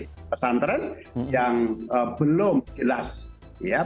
pesantren yang belum jelas ya